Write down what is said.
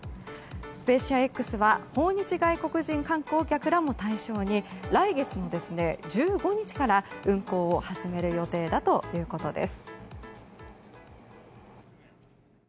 「スペーシアＸ」は訪日外国人観光客なども対象に来月の１５日から運行を始める予定だということです。